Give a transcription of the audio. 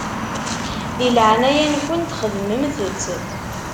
Di leɛnaya-nkent xedmemt-t.